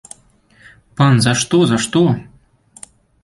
Пан, за што, за што?